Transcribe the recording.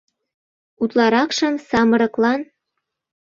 Утларакшым самырыклан...